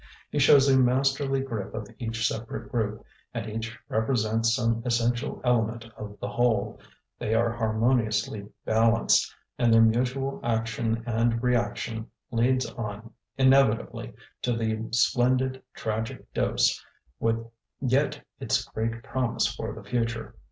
He shows a masterly grip of each separate group, and each represents some essential element of the whole; they are harmoniously balanced, and their mutual action and reaction leads on inevitably to the splendid tragic dose, with yet its great promise for the future.